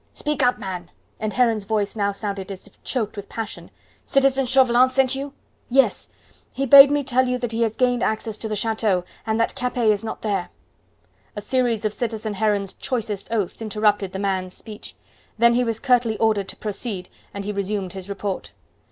"Speak up, man!" and Heron's voice now sounded as if choked with passion. "Citizen Chauvelin sent you?" "Yes. He bade me tell you that he has gained access to the chateau, and that Capet is not there." A series of citizen Heron's choicest oaths interrupted the man's speech. Then he was curtly ordered to proceed, and he resumed his report.